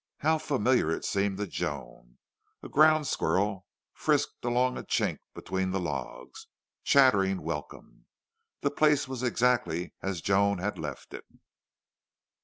How familiar it seemed to Joan! A ground squirrel frisked along a chink between the logs, chattering welcome. The place was exactly as Joan had left it.